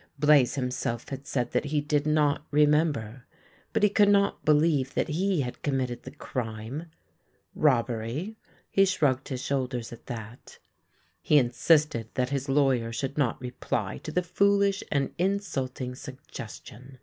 Blaze himself had said that he did not remember, but he could not believe that he had committed the crime. Robbery? He shrugged his shoulders at that, he in sisted that his lawyer should not reply to the foolish and insulting suggestion.